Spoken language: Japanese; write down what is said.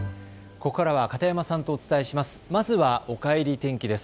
ここからは片山さんとお伝えします。